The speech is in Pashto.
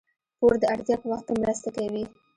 پور د اړتیا په وخت کې مرسته کوي.